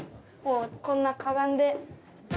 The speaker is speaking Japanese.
こんなかがんで。